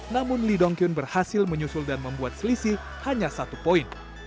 namun lee dongkyun berhasil menyusul dan membuat selisih hanya satu poin